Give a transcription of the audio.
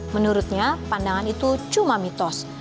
menurutnya pandangan itu cuma mitos